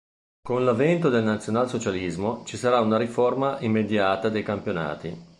Con l'avvento del Nazionalsocialismo, ci sarà una riforma immediata dei campionati.